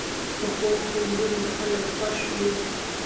پخو خویو خلک خوښ وي